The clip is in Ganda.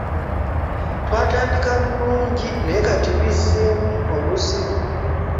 Twatandika bulungi naye kati bizzeemu obuzibu.